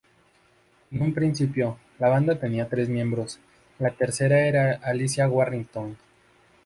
En un principio, la banda tenía tres miembros, la tercera era Alicia Warrington.